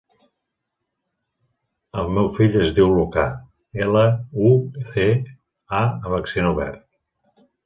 El meu fill es diu Lucà: ela, u, ce, a amb accent obert.